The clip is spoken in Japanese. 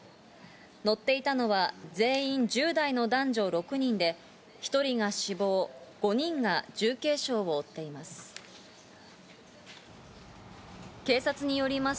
乗っていたのは全員１０代の男女６人で、１人が死亡、５人が重軽傷を負っています。